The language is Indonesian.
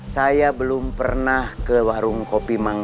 saya belum pernah ke warung kopi mangrove